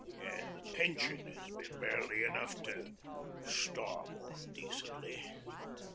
An' the pension 'as been barely enough to starve on decently.